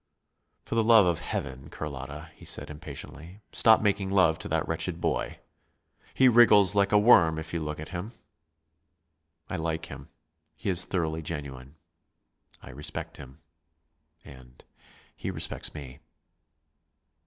"For the love of Heaven, Carlotta," he said impatiently, "stop making love to that wretched boy. He wriggles like a worm if you look at him." "I like him. He is thoroughly genuine. I respect him, and he respects me."